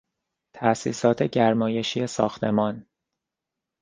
تاسیسات گرمایشی ساختمان